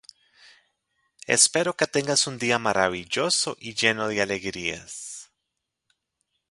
Espero que tengas un día maravilloso y lleno de alegría.